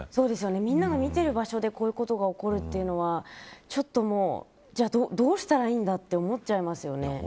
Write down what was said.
皆が見てる場所でこういうことが起こるというのはちょっと、どうしたらいいんだと思っちゃいますよね。